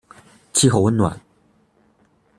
气候温暖。